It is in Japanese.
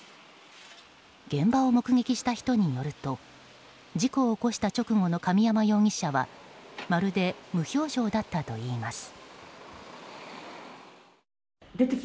現場を目撃した人によると事故を起こした直後の神山容疑者はまるで無表情だったといいます。